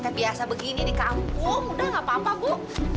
kayak biasa begini di kampung udah gak apa apa bu